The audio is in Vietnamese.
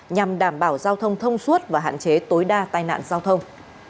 nhằm đảm bảo giao thông thông suốt và hạn chế tối đa tai nạn giao thông